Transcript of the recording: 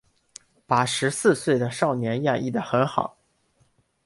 把十四岁的少年演绎的很好